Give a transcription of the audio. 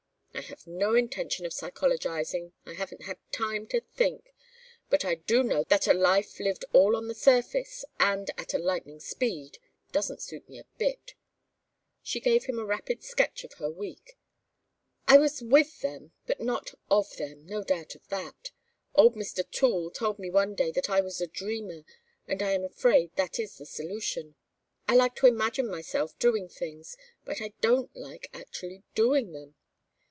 "I have no intention of psychologizing. I haven't had time to think. But I do know that a life lived all on the surface and at lightning speed doesn't suit me a bit." She gave him a rapid sketch of her week. "I was with them, but not of them; no doubt of that. Old Mr. Toole told me one day that I was a dreamer, and I am afraid that is the solution. I like to imagine myself doing things, but I don't like actually doing them.